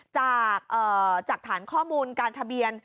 จากฐานข้อมูลการทะเบียน